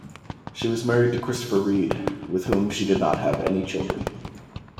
She was married to Christopher Reed, with whom she did not have any children.